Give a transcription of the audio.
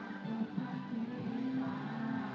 untuk anda sendiri